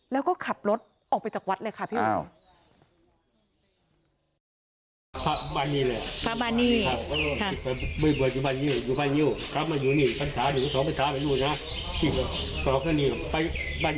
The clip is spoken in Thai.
แล้วก็ขับรถออกไปจากวัดเลยค่ะพี่